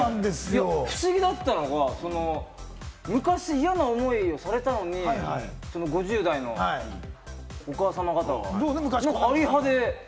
不思議だったのが昔、嫌な思いされたのに、５０代のお母さま方、あり派で。